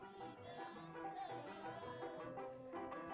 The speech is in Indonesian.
sikapmu yang meramah dan berdiam